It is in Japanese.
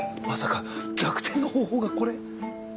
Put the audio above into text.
まさか逆転の方法がこれ？